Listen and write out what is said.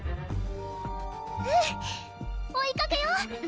うん追いかけよう